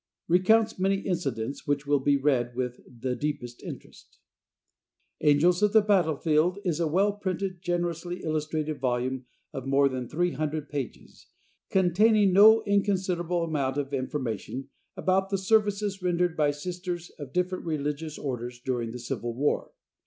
"Recounts Many Incidents Which Will Be Read With the Deepest Interest." "Angels of the Battlefield" is a well printed, generously illustrated volume of more than 300 pages, containing no inconsiderable amount of information about the services rendered by Sisters of different religious orders during the Civil war.